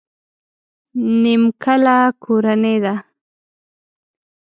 نيمکله کورنۍ ده.